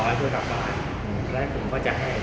ไอ้สื่อกว่าโน้มมาไหน